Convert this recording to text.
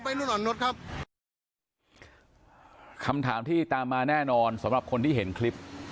รุ่นอ่อนนุษย์ครับคำถามที่ตามมาแน่นอนสำหรับคนที่เห็นคลิป